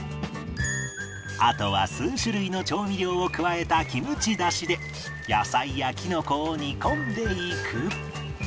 あとは数種類の調味料を加えたキムチだしで野菜やキノコを煮込んでいく